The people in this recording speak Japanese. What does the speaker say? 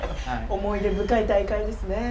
思い出深い大会ですね。